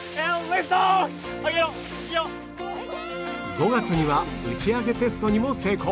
５月には打ち上げテストにも成功